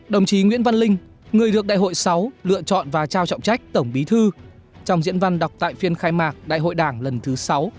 đồng chí nguyễn văn linh người được đại hội sáu lựa chọn và trao trọng trách tổng bí thư trong diễn văn đọc tại phiên khai mạc đại hội đảng lần thứ sáu